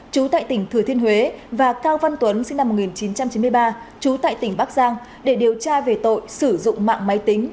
chú tại tỉnh thừa thiên huế và cao văn tuấn sinh năm một nghìn chín trăm chín mươi ba trú tại tỉnh bắc giang để điều tra về tội sử dụng mạng máy tính